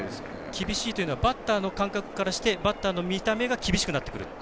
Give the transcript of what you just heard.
厳しいというのはバッターの感覚からしてバッターの見た目が厳しくなってくると。